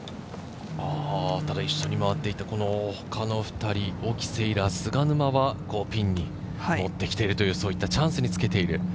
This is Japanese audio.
一緒に回っていたほかの２人、沖せいら、菅沼はピンに持ってきているというチャンスにつけている。